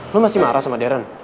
lo masih marah sama deren